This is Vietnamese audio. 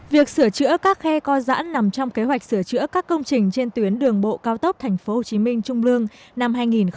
việc sửa chữa các khe co giãn nằm trong kế hoạch sửa chữa các công trình trên tuyến đường bộ cao tốc tp hcm trung lương năm hai nghìn hai mươi